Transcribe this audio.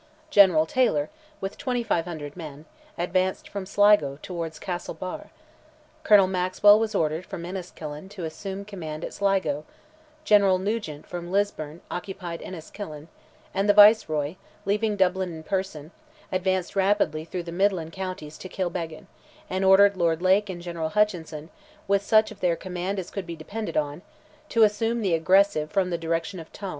General Taylor, with 2,500 men, advanced from Sligo towards Castlebar; Colonel Maxwell was ordered from Enniskillen to assume command at Sligo; General Nugent from Lisburn occupied Enniskillen, and the Viceroy, leaving Dublin in person, advanced rapidly through the midland counties to Kilbeggan, and ordered Lord Lake and General Hutchinson, with such of their command as could be depended on, to assume the aggressive from the direction of Tuam.